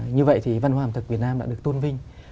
như vậy thì văn hóa ẩm thực việt nam đã được tôn vinh